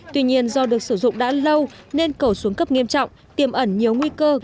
tuy nhiên do được sử dụng đã lâu nên cầu xuống cấp nghiêm trọng tiêm ẩn nhiều nguy cơ